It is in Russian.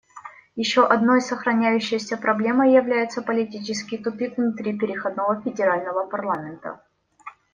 Еще одной сохраняющейся проблемой является политический тупик внутри переходного федерального парламента.